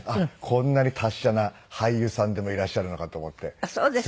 こんなに達者な俳優さんでもいらっしゃるのかと思って。